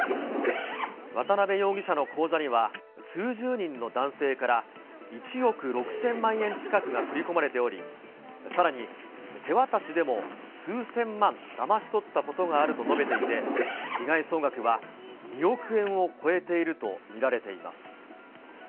渡辺容疑者の口座には、数十人の男性から１億６０００万円近くが振り込まれており、さらに、手渡しでも数千万だまし取ったことがあると述べていて、被害総額は２億円を超えていると見られています。